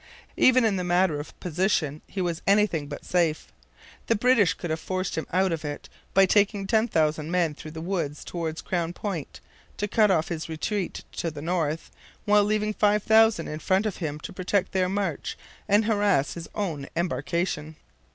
Even in the matter of position he was anything but safe. The British could have forced him out of it by taking 10,000 men through the woods towards Crown Point, to cut off his retreat to the north, while leaving 5,000 in front of him to protect their march and harass his own embarkation.